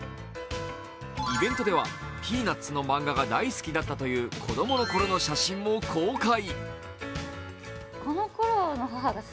イベントでは「ピーナッツ」の漫画が大好きだったという子供の頃の写真も公開。